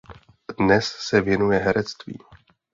Dnes se věnuje herectví.